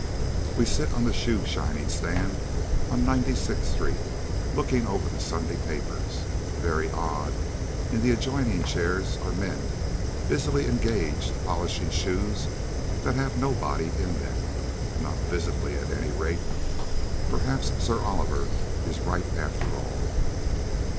We sit on the shoeshining stand on Ninety sixth Street, looking over the Sunday papers. Very odd, in the adjoining chairs men are busily engaged polishing shoes that have nobody in them, not visibly, at any rate. Perhaps Sir Oliver is right after all.